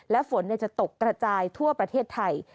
และฝนจะตกกระจายทั่วประเทศไทย